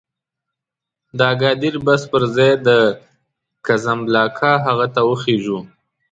د اګادیر بس پر ځای د کزنبلاکه هغه ته وخېژولو.